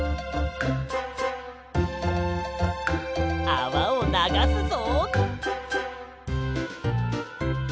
あわをながすぞ。